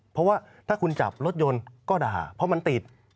เพราะว่าถ้าคุณจับรถยนต์ก็ด่าเพราะมันติด